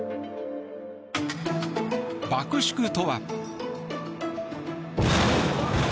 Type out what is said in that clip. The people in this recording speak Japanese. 爆縮とは。